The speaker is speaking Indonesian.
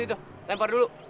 itu itu lempar dulu